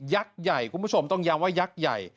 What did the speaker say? ใหญ่คุณผู้ชมต้องย้ำว่ายักษ์ใหญ่